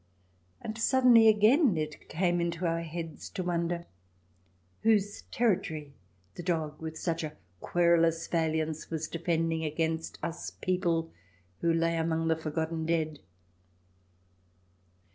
And, sud denly, again it came into our heads to wonder whose territory the dog with such a querulous valiance was defending against us people who lay among the forgotten dead.